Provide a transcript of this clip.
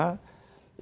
ini mesti diatur